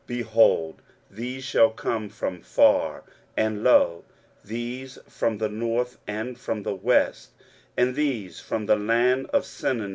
23:049:012 Behold, these shall come from far: and, lo, these from the north and from the west; and these from the land of Sinim.